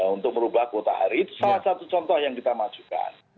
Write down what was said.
untuk merubah kuota hari itu salah satu contoh yang kita majukan